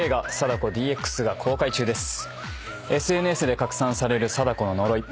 ＳＮＳで拡散される貞子の呪い。